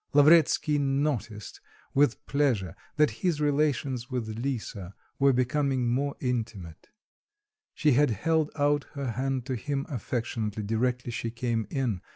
Lavretsky noticed with pleasure that his relations with Lisa were becoming more intimate; she had held out her hand to him affectionately directly she came in.